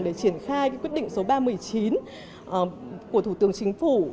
để triển khai quyết định số ba mươi chín của thủ tướng chính phủ